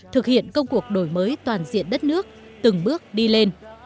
thực hiện công cuộc đổi mới toàn diện đất nước từng bước đổi mới